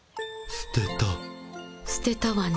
すてたわね。